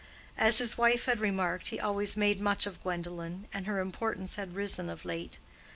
As his wife had remarked, he always "made much" of Gwendolen, and her importance had risen of late.